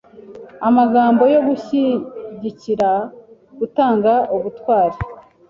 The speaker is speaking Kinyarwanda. Amagambo yo gushyigikira gutanga ubutwari